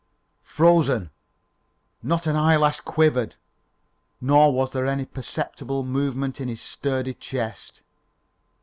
Frozen! Not an eyelash quivered, nor was there any perceptible movement in his sturdy chest.